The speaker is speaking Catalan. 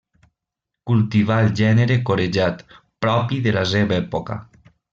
Cultivà el gènere corejat, propi de la seva època.